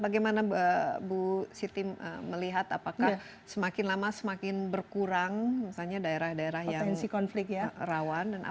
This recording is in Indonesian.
bagaimana bu siti melihat apakah semakin lama semakin berkurang misalnya daerah daerah yang rawan